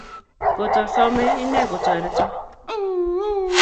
kot asome inee kotoreto